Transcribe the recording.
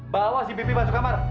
bawa si pipi masuk kamar